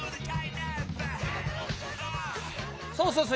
そうそうそう！